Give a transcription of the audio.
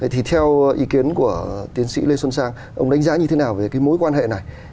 thì theo ý kiến của tiến sĩ lê xuân sang ông đánh giá như thế nào về cái mối quan hệ này